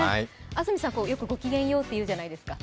安住さん、よくご機嫌ようって言うじゃないですか。